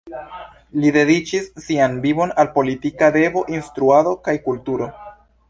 Li dediĉis sian vivon al politika devo, instruado kaj kulturo.